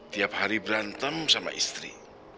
tiap hari berantem sama istri